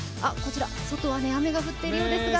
外は雨が降っているようですが。